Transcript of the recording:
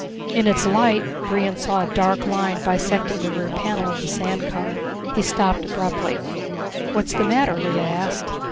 In its light Brion saw a dark line bisecting the rear panel of the sand car. He stopped abruptly. "What's the matter?" Lea asked.